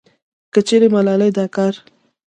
کچېرې ملالې دا کار